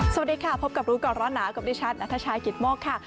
สวัสดีค่ะพบกับรู้ก่อนร้อนหนาวกับดิฉันนัทชายกิตโมกค่ะ